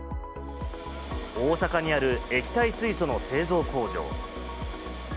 大阪にある液体水素の製造工場。